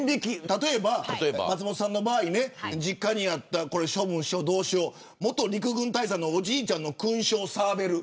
例えば松本さんの場合実家にあった処分しよう、どうしよう元陸軍大佐のおじいちゃんの勲章、サーベル。